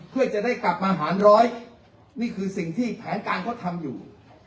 เพื่อจะได้กลับมาหารร้อยนี่คือสิ่งที่แผนการเขาทำอยู่